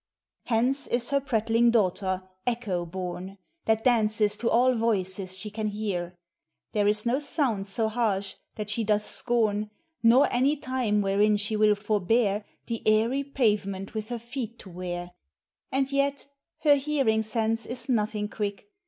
Hence is her prattling daughter, Echo, born, That dances to all voices she can hear : There is no sound so harsh that she doth scorn, Nor any time wherein. she will forbear The airy pavement with her feet to wear: And yet her hearing sense is nothing quick.